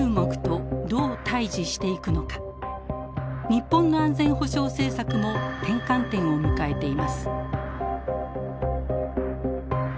日本の安全保障政策も転換点を迎えています。